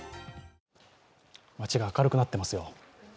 街が明るくなってますよ。